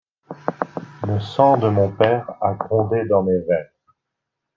Le sang de mon père a grondé dans mes veines.